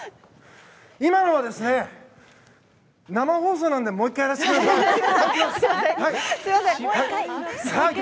今のは、生放送なのでもう１回やらせてください！